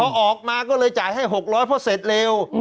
พอออกมาก็เลยจ่ายให้๖๐๐เพราะเสร็จเร็ว